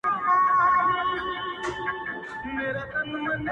ستا د تصور تصوير كي بيا يوه اوونۍ جگړه”